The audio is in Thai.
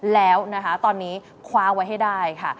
แล้วนะคะตอนนี้คว้าไว้ให้ได้ค่ะ